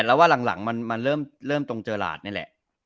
แล้วว่าหลังมันเริ่มตรงเจอหลาดนี่แหละ